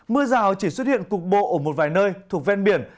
mưa rào chỉ xuất hiện cục bộ ở một vài nơi thuộc ven biển